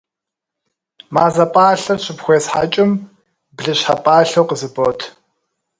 Мазэ пӏалъэр щыпхуесхьэкӏым, блыщхьэ пӏалъэу къызыбот.